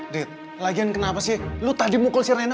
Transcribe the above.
dit lagian kenapa sih lo tadi mukul si reina